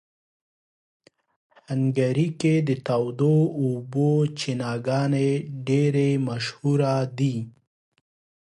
هنګري کې د تودو اوبو چینهګانې ډېرې مشهوره دي.